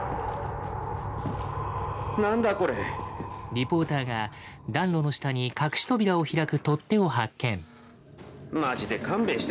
リポーターが暖炉の下に隠し扉を開く取っ手を発見。